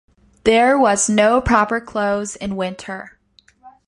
There was no proper clothes in winter.